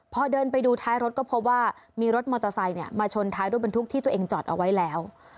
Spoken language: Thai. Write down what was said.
พอเดินไปดูท้ายรถก็พบว่ามีรถมอเตอร์ไซค์มาชนท้ายรถบรรทุกที่ตัวเองจอดเอาไว้แล้ว